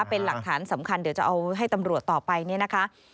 เป็นหลักฐานสำคัญเดี๋ยวจะเอาให้ตำรวจต่อไปเนี่ยนะคะ